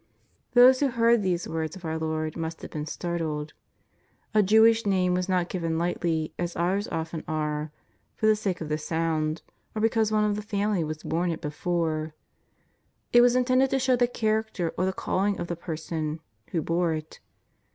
Those who heard these words of our Lord must have been startled. A Jewish name was not given lightly as ours often are, for the sake of the sound, or because one of the family has borne it before. It was intended to show the character or the calling of the person who bore it.